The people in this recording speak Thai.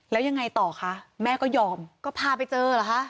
แล้วยังไงต่อคะแม่ก็ยอมก็พาไปเจอเหรอคะ